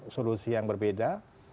solusi yang berbeda